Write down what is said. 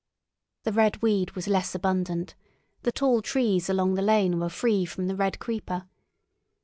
The red weed was less abundant; the tall trees along the lane were free from the red creeper.